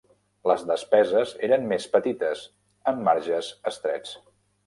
Les despeses eren més petites, amb marges estrets.